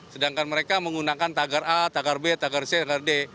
sedangkan mereka menggunakan tagar a tagar b tagar c tagar d